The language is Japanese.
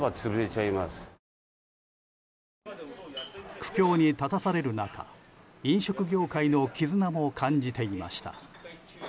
苦境に立たされる中飲食業界の絆も感じていました。